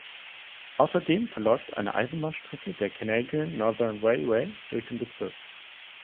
Außerdem verläuft eine Eisenbahnstrecke der Canadian Northern Railway durch den Bezirk.